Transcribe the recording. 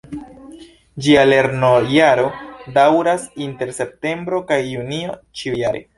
Ĝia lernojaro daŭras inter Septembro kaj Junio ĉiujare.